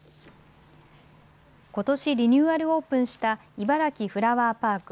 ことしリニューアルオープンしたいばらきフラワーパーク。